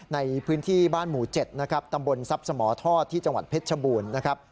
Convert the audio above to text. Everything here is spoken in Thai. ในพื้นที่บ้านหมู่๗ตำบลทบสมททที่จังหวัดเพชรบูรณ์